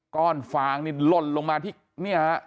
ฟางนี่ล่นลงมาที่นี่ฮะ